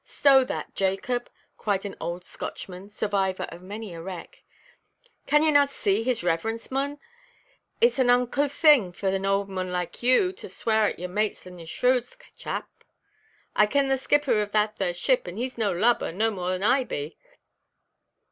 "Stow that, Jacob!" cried an old Scotchman, survivor of many a wreck; "can ye nae see his reverence, mon? Itʼs an unco thing for an auld mon like you to swear at your mates in their shrouds, chap. I ken the skipper of that there ship, and heʼs no lubber, no more than I be."